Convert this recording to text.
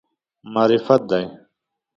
معرفت دی.